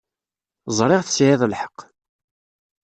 Ẓriɣ tesεiḍ lḥeqq.